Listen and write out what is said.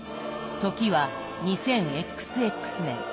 時は２０ＸＸ年。